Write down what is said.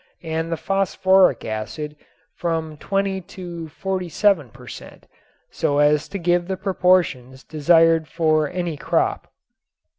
and the phosphoric acid from twenty to forty seven per cent. so as to give the proportions desired for any crop.